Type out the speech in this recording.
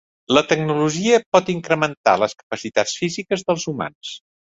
La tecnologia pot incrementar les capacitats físiques dels humans.